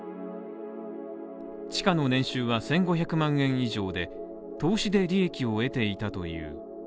ちかの年収は１５００万円以上で投資で利益を得ていたという。